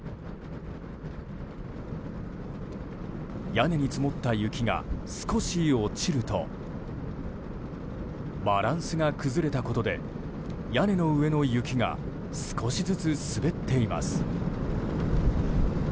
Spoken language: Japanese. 屋根に積もった雪が少し落ちるとバランスが崩れたことで屋根の上の雪が少しずつ滑っています。